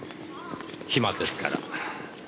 暇ですから。